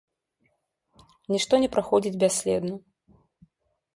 Нішто не праходзіць бясследна.